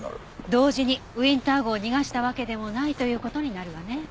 同時にウィンター号を逃がしたわけでもないという事になるわね。